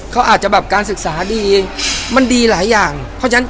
เขาอาจจะแบบการศึกษาดีมันดีหลายอย่างเพราะฉะนั้น